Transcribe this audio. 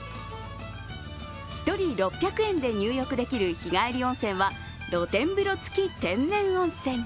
１人６００円で入浴できる日帰り温泉は露天風呂付き天然温泉。